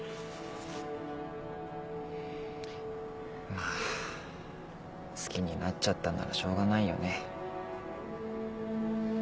まぁ好きになっちゃったんならしょうがないよね。